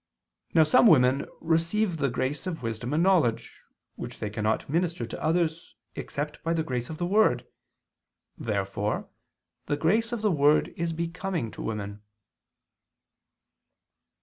Now some women receive the grace of wisdom and knowledge, which they cannot minister to others except by the grace of the word. Therefore the grace of the word is becoming to women.